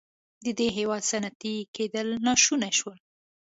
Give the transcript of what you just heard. د دې هېواد صنعتي کېدل ناشون شول.